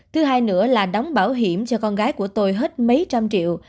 thứ hai nữa là đóng bảo hiểm cho con gái của tôi hết mấy trăm triệu